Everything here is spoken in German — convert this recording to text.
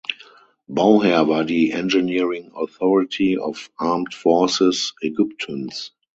Bauherr war die "Engineering Authority of Armed Forces" Ägyptens.